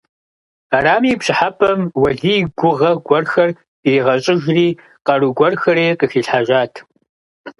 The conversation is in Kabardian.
Арами, а пщӀыхьэпӀэм Уэлий гугъэ гуэрхэр иригъэщӀыжри къару гуэрхэри къыхилъхьэжат.